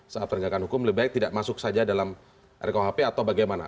saat penegakan hukum lebih baik tidak masuk saja dalam rkuhp atau bagaimana